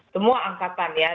semua angkatan ya